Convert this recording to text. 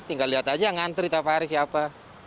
tinggal lihat aja ngantri tafari siapa